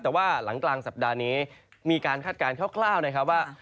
แต่ว่าหลังกลางสัปดาห์นี้มีการคาดการณคร่าวนะครับว่า